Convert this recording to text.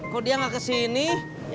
kok dia gak ke sini